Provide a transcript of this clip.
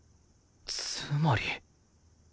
つまり